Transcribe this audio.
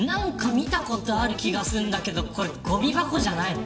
見たことある気がするけどこれ、ごみ箱じゃないの。